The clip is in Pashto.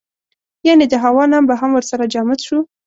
یعنې د هوا نم به هم ورسره جامد شو.